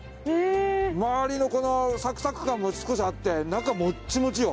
周りのこのサクサク感も少しあって中もちもちよ。